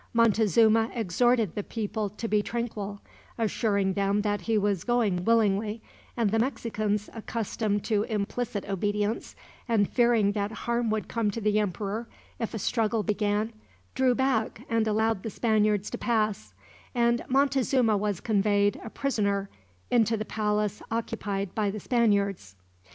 Montezuma exhorted the people to be tranquil, assuring them that he was going willingly; and the Mexicans, accustomed to implicit obedience, and fearing that harm would come to the emperor if a struggle began, drew back and allowed the Spaniards to pass; and Montezuma was conveyed, a prisoner, into the palace occupied by the Spaniards.